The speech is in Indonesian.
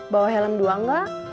bawa helm dua nggak